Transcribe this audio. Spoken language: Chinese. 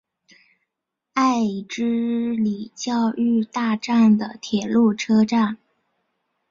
爱之里教育大站的铁路车站。